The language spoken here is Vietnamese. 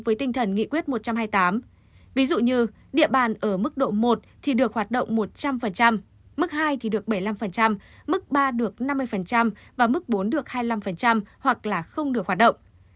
với tinh thần nghị quyết một trăm hai mươi tám ví dụ như địa bàn ở mức độ một thì được hoạt động một trăm linh mức hai thì được bảy mươi năm mức ba được năm mươi và mức bốn được hai mươi năm hoặc là không được hoạt động